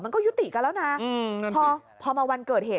มันก็ยุติกันแล้วน่ะอืมนั่นคือพอพอมาวันเกิดเหตุ